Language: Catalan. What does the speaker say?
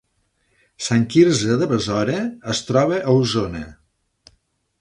Sant Quirze de Besora es troba a Osona